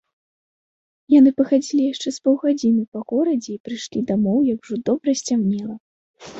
Яны пахадзілі яшчэ з паўгадзіны па горадзе і прыйшлі дамоў, як ужо добра сцямнела.